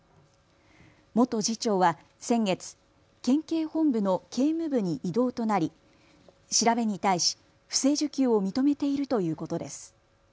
元次長は先月、県警本部の警務部に異動となり調べに対し不正受給を認めているということです。